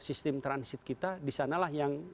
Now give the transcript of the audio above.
sistem transit kita disanalah yang